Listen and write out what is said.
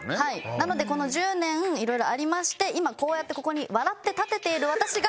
なのでこの１０年いろいろありまして今こうやってここに笑って立てている私が。